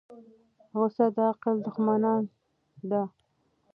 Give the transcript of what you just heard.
غصه د عقل دښمنه ده.